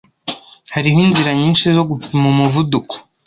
Hariho inzira nyinshi zo gupima umuvuduko.